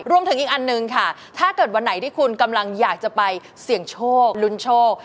อีกอันหนึ่งค่ะถ้าเกิดวันไหนที่คุณกำลังอยากจะไปเสี่ยงโชคลุ้นโชค